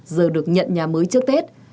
giờ được nhận nhà mới trước tết